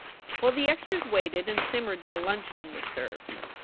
While the extras waited and simmered their luncheon was served.